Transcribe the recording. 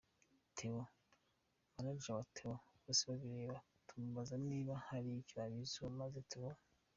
Theo, Manager wa Theo Bosebabireba, tumubaza niba hari icyo abiziho, maze Theo.